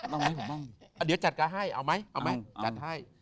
เอาไงผมบ้างเดี๋ยวจัดการให้